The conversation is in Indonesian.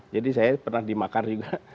jadi saya pernah dimakar juga